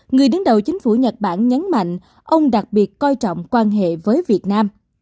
người đứng đầu chính phủ nhật bản nhấn mạnh ông đặc biệt coi trọng quan hệ với việt nam